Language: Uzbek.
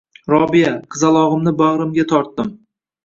Robiya, qizalog`imni bag`rimga tortdim